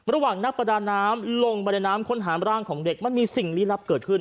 ระหว่างนักประดาน้ำลงไปในน้ำค้นหามร่างของเด็กมันมีสิ่งลี้ลับเกิดขึ้น